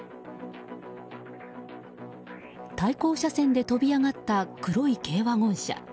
対向車線で飛び上がった黒い軽ワゴン車。